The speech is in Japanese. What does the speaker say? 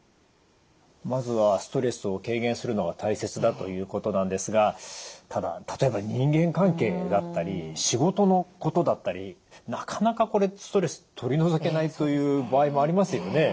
まずはストレスを軽減するのが大切だということなんですがただ例えば人間関係だったり仕事のことだったりなかなかこれストレス取り除けないという場合もありますよね。